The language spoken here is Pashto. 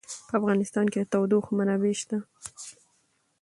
په افغانستان کې د تودوخه منابع شته.